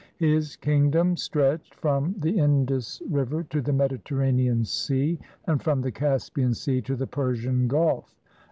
His kingdom stretched from the Indus River to the Mediterranean Sea, and from the Caspian Sea to the Persian Gulf.